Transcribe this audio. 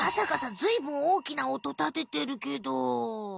ずいぶんおおきな音立ててるけど。